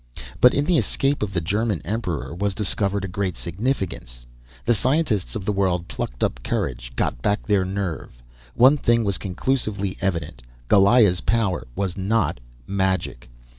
But in the escape of the German Emperor was discovered a great significance. The scientists of the world plucked up courage, got back their nerve. One thing was conclusively evident Goliah's power was not magic.